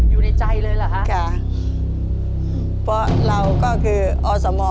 อยู่ในใจเลยเหรอคะจ้ะเพราะเราก็คืออสม